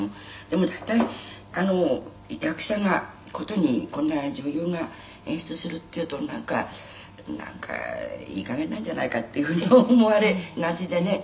「でも大体役者がことにこんな自分が演出するっていうとなんかいい加減なんじゃないかっていうふうに思われがちでね」